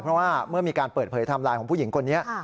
เพราะว่าเมื่อมีการเปิดเผยไทม์ไลน์ของผู้หญิงคนนี้